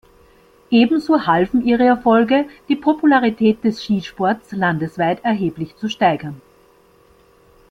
Ebenso halfen ihre Erfolge, die Popularität des Skisports landesweit erheblich zu steigern.